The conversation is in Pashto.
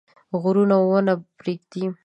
غرونه ونه پرېږده.